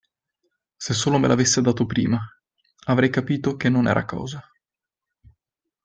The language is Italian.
Se solo me l'avesse dato prima, avrei capito che non era cosa.